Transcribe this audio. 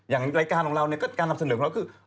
อย่างรายการของเราเนี่ยก็การนำเสนอของเราคือ